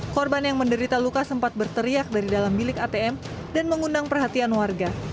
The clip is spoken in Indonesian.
korban yang menderita luka sempat berteriak dari dalam bilik atm dan mengundang perhatian warga